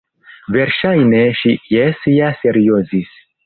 Verŝajne ŝi jes ja seriozis.